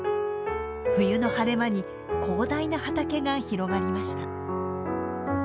冬の晴れ間に広大な畑が広がりました。